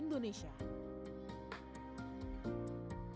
dan duta besar luar negara